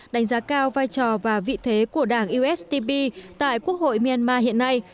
đánh giá cao vai trò và vị thế của đảng usdp tại quốc hội myanmar hiện nay